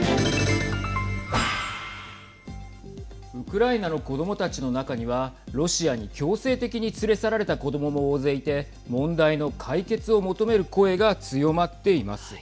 ウクライナの子どもたちの中にはロシアに強制的に連れ去られた子どもも大勢いて問題の解決を求める声が強まっています。